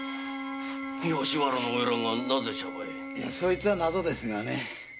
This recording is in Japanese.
そいつは謎ですがね